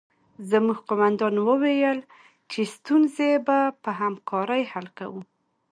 زموږ قومندان وویل چې ستونزې به په همکارۍ حل کوو